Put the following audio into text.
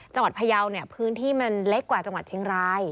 พยาวเนี่ยพื้นที่มันเล็กกว่าจังหวัดเชียงราย